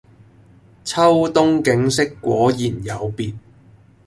秋冬景色果然有別